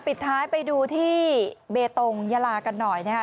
ปิดท้ายไปดูที่เบตงยาลากันหน่อยนะคะ